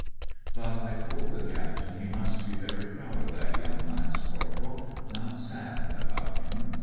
But I told the captain he must be very proud of that young lance corporal, not sad about him.